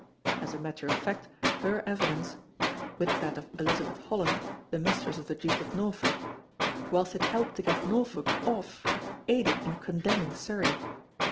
As a matter of fact her evidence (with that of Elizabeth Holland, the mistress of the Duke of Norfolk), whilst it helped to get Norfolk off, aided in condemning Surrey.